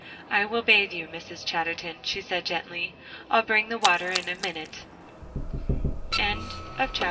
"I will bathe you, Mrs. Chatterton," she said gently; "I'll bring the water in a minute." XI POOR POLLY!